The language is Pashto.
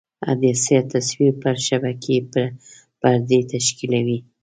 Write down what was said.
عدسیه تصویر پر شبکیې پردې تشکیولوي.